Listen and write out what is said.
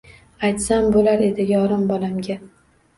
Aytsam bo‘lar edi yorim, bolamga